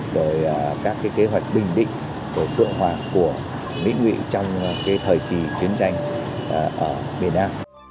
rồi các kế hoạch bình định của dựa hoạt của mỹ nghị trong thời kỳ chiến tranh ở miền nam